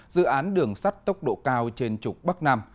dự án đường sắt tốc độ cao trên trục bắc nam